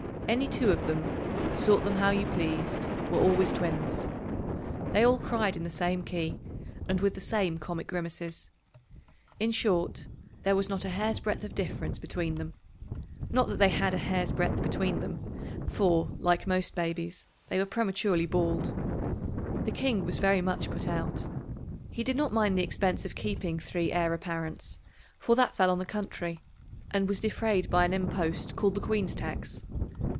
Any two of them, sort them how you pleased, were always twins. They all cried in the same key and with the same comic grimaces. In short, there was not a hair's breadth of difference between them not that they had a hair's breadth between them, for, like most babies, they were prematurely bald. The King was very much put out. He did not mind the expense of keeping three Heir Apparents, for that fell on the country, and was defrayed by an impost called "The Queen's Tax."